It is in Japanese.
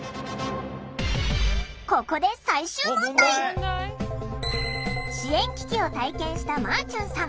ここで最終問題！支援危機を体験したまぁちゅんさん